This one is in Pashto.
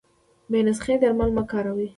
بې نسخي درمل مه کاروی